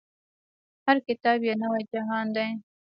هر کتاب يو نوی جهان دی.